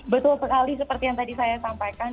betul sekali seperti yang tadi saya sampaikan